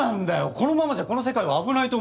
このままじゃこの世界は危ないと思うんだ。